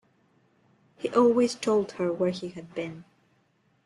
He always told her where he had been.